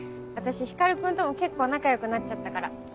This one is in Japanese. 私光君とも結構仲良くなっちゃったから。